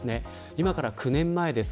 今から９年前です。